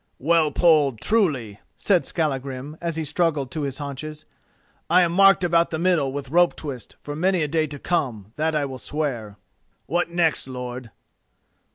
"Well pulled, truly," said Skallagrim as he struggled to his haunches: "I am marked about the middle with rope twists for many a day to come, that I will swear. What next, lord?"